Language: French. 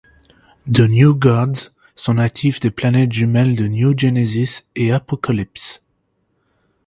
The New Gods sont natifs des planètes jumelles de New Genesis et Apokolips.